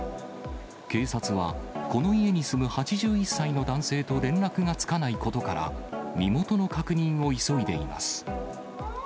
警察は、この家に住む８１歳の男性と連絡がつかないことから、身元の確認を急いでいます。